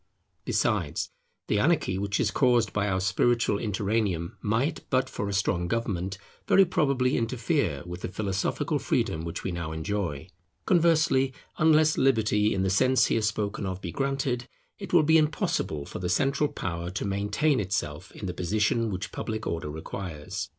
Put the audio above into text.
Besides, the anarchy which is caused by our spiritual interregnum, might, but for a strong government, very probably interfere with the philosophical freedom which we now enjoy. Conversely, unless Liberty in the sense here spoken of be granted, it will be impossible for the central power to maintain itself in the position which public order requires.